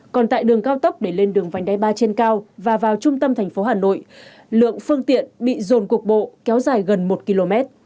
còn tại đường cao tốc để lên đường vành đai ba trên cao và vào trung tâm thành phố hà nội lượng phương tiện bị dồn cuộc bộ kéo dài gần một km